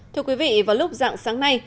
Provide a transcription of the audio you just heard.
thưa quý vị vào lúc dạng sáng nay